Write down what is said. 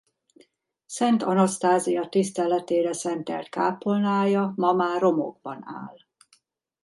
Szent Anasztázia tiszteletére szentelt kápolnája ma már romokban áll.